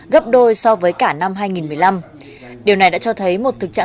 gấp đôi là tỉnh yên bái tỉnh yên bái tỉnh yên bái tỉnh yên bái